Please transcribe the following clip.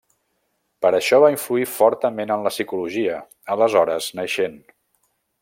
Per això va influir fortament en la psicologia, aleshores naixent.